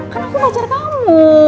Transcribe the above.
kan aku pacar kamu